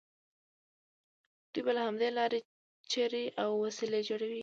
دوی به له همدې لارې چړې او وسلې جوړولې.